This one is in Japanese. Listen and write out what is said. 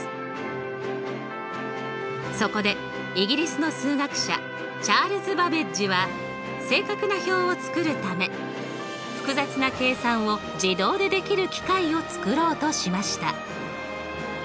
そこでイギリスの数学者チャールズ・バベッジは正確な表を作るため複雑な計算を自動でできる機械を作ろうとしました。